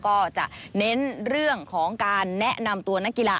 ก็จะเน้นเรื่องของการแนะนำตัวนักกีฬา